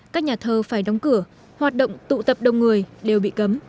các nhà thơ phải đóng cửa hoạt động tụ tập đông người đều bị cấm